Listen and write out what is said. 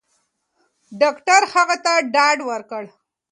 ډاکټر هغه ته ډاډ ورکړ.